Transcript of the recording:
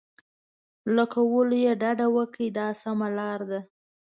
له کولو یې ډډه وکړئ دا سمه لار ده.